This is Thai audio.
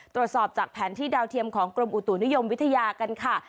ตรวจสอบจากแผนที่ดาวเทียมของกรมอุตุนิยมวิทยากันค่ะ